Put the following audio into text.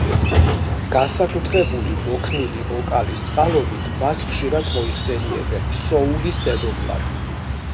განსაკუთრებული მოქნილი ვოკალის წყალობით მას ხშირად მოიხსენიებენ „სოულის დედოფლად“.